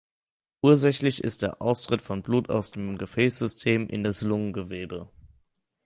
Ursächlich ist der Austritt von Blut aus dem Gefäßsystem in das Lungengewebe.